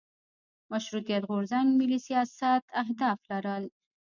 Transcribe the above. مشروطیت غورځنګ ملي سیاست اهداف لرل.